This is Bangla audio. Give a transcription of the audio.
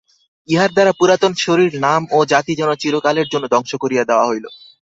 ইহার দ্বারা পুরাতন শরীর নাম ও জাতি যেন চিরকালের জন্য ধ্বংস করিয়া দেওয়া হইল।